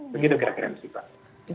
begitu kira kira misi saya